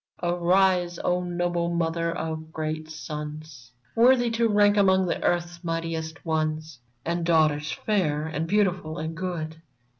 Arise, O noble mother of great sons, Worthy to rank among earth's mightiest ones, And daughters fair and beautiful and good.